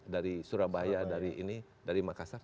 dari surabaya dari makassar